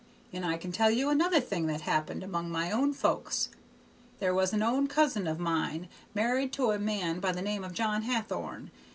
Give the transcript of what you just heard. And I can tell you another thing that happened among my own folks. There was an own cousin of mine married to a man by the name of John Hathorn.